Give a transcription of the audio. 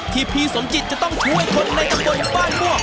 ที่พี่สมจิตจะต้องช่วยคนในกระบวนบ้านมั่ว